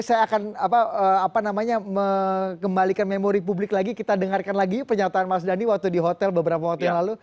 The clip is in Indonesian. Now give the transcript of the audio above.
saya akan mengembalikan memori publik lagi kita dengarkan lagi pernyataan mas dhani waktu di hotel beberapa waktu yang lalu